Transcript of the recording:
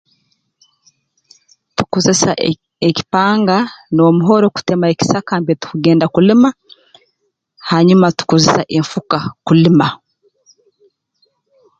Tukozesa ek ekipanga n'omuhoro kutema ekisaka mbere tukugenda kulima hanyuma tukozesa enfuka kulima